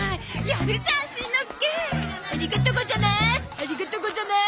ありがとござまーす！